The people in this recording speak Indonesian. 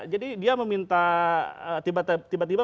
jadi dia meminta tiba tiba